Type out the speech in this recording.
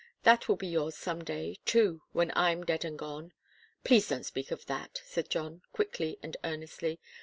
That will be yours some day, too, when I'm dead and gone." "Please don't speak of that," said John, quickly and earnestly.